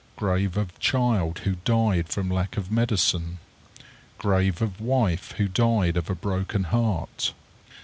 Grave of child who died from lack of medicine. Grave of wife who died of a broken heart.